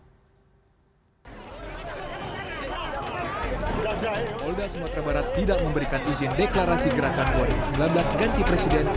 kapolda sumatera barat tidak memberikan izin deklarasi gerakan dua ribu sembilan belas ganti presiden